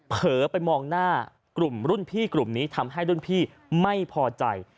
เผลอไปมองหน้ากลุ่มรุ่นพี่กลุ่มนี้ทำให้รุ่นพี่ไม่พอใจ